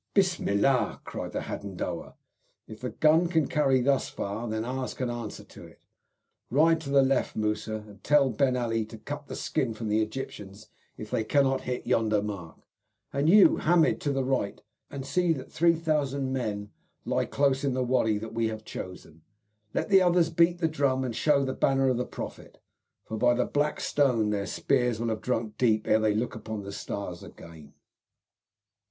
"Bismillah!" cried the Hadendowa; "if the gun can carry thus far, then ours can answer to it. Ride to the left, Moussa, and tell Ben Ali to cut the skin from the Egyptians if they cannot hit yonder mark. And you, Hamid, to the right, and see that 3,000 men lie close in the wady that we have chosen. Let the others beat the drum and show the banner of the Prophet, for by the black stone their spears will have drunk deep ere they look upon the stars again."